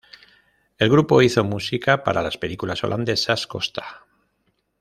El grupo hizo música para las películas holandesas "Costa!